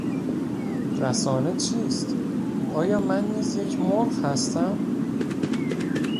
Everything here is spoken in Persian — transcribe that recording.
رسانه چیست؟ آیا من نیز یک مرغ هستم؟